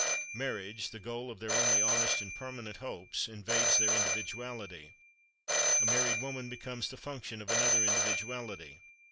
Marriage, the goal of their only honest and permanent hopes, invades their individuality; a married woman becomes the function of another individuality.